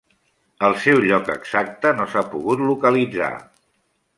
El seu lloc exacte no s'ha pogut localitzar.